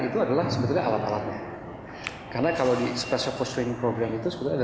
itu adalah sebetulnya alat alatnya karena kalau di special posting program itu sebetulnya ada